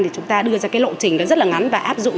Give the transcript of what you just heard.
thì chúng ta đưa ra cái lộ trình nó rất là ngắn và áp dụng